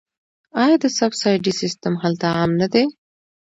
آیا د سبسایډي سیستم هلته عام نه دی؟